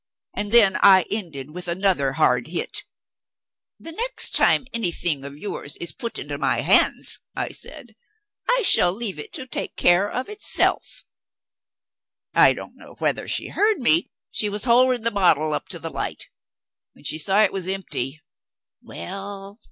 And then I ended with another hard hit. "The next time anything of yours is put into my hands," I said, "I shall leave it to take care of itself." I don't know whether she heard me; she was holding the bottle up to the light. When she saw it was empty well!